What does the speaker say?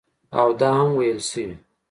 او دا هم ویل شوي